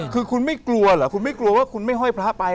คือคุณไม่กลัวเหรอคุณไม่กลัวว่าคุณไม่ห้อยพระไป